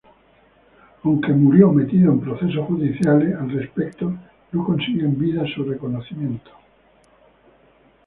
Aunque murió metido en procesos judiciales al respecto, no consiguió en vida su reconocimiento.